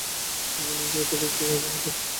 এখানে এসে এটা দেখতে চাইবে হয়তো।